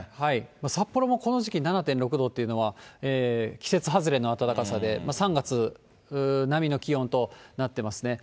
札幌もこの時期、７．６度というのは、季節外れの暖かさで、３月並みの気温となってますね。